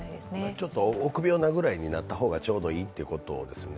ちょっと臆病なぐらいになった方がちょうどいいということですね。